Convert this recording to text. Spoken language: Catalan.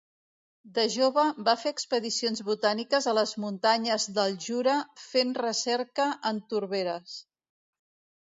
De jove va fer expedicions botàniques a les Muntanyes del Jura fent recerca en torberes.